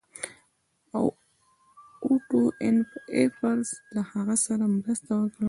اوټو ایفز له هغه سره مرسته وکړه.